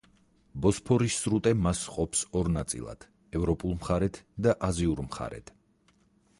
ბოსფორის სრუტე მას ჰყოფს ორ ნაწილად: ევროპულ მხარედ და აზიურ მხარედ.